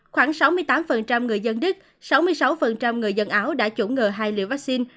khoảng sáu mươi tám người dân đức sáu mươi sáu người dân áo đã chủng ngừa hai liều vaccine